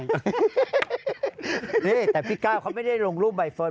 นี่แต่พี่ก้าวเขาไม่ได้ลงรูปใบเฟิร์